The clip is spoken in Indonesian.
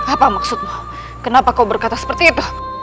apa maksudmu kenapa kau berkata seperti itu